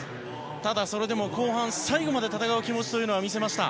ただ、それでも後半最後まで戦う気持ちを見せました。